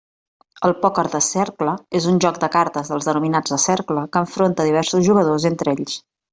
El pòquer de cercle és un joc de cartes dels denominats de cercle que enfronta diversos jugadors entre ells.